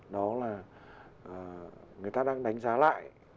đó là người ta đang đánh giá lại